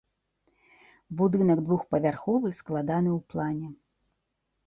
Будынак двухпавярховы складаны ў плане.